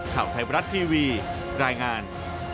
ข่าวไทยบรัฐทีวีรายงาน